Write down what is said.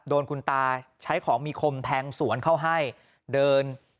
โดนคุณตาใช้ของมีคมแทงสวนเข้าให้เดิน